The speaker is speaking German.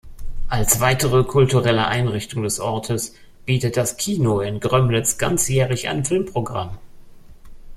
Als weitere kulturelle Einrichtung des Ortes bietet das Kino in Grömitz ganzjährig ein Filmprogramm.